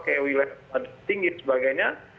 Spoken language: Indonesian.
kayak wilayah tinggi dan sebagainya